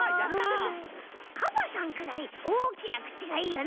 カバさんくらいおおきなくちがいいよね。